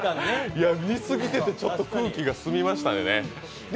いや、似すぎてて、ちょっと空気が澄みましたね。